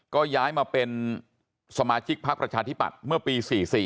ก็ย้ายมาเป็นสมาชิกพักประชาธิปัตย์เมื่อปี๔๔